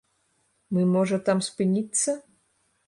Мы можа там спыніцца?